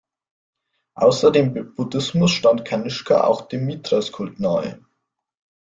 Außer dem Buddhismus stand Kanischka auch dem Mithras-Kult nahe.